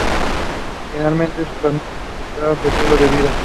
Finalmente sus familias aceptaron su estilo de vida.